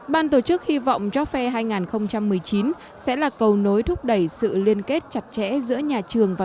ban tổ chức hy vọng job fair hai nghìn một mươi chín sẽ là cầu nối thúc đẩy sự liên kết chặt chẽ giữa nhà trường và